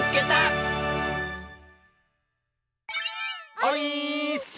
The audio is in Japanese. オイーッス！